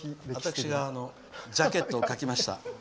私がジャケットを書きました。